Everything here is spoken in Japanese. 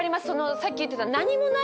さっき言ってた。